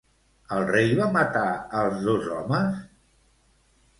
El rei va matar els dos homes?